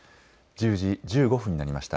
１０時１５分になりました。